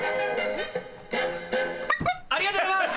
ありがとうございます！